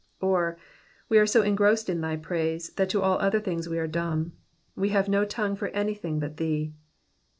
Or, we are so engrossed in thy praise, that to all other things we are dumb ; we have no tongue for anything but thee.